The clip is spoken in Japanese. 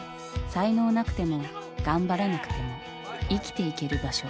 「才能なくても頑張らなくても生きていける場所」